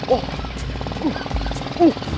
uh uh uh